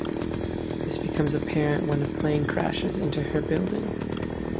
This becomes apparent when a plane crashes into her building.